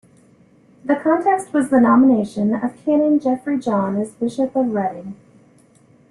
The context was the nomination of Canon Jeffrey John as Bishop of Reading.